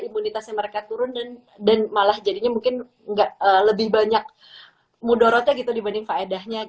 imunitas mereka turun dan malah jadinya mungkin lebih banyak mudara mudara dibanding faedahnya